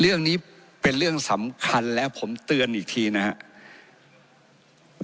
เรื่องนี้เป็นเรื่องสำคัญแล้วผมเตือนอีกทีนะครับ